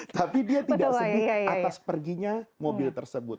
tapi dia tidak sedih atas perginya mobil tersebut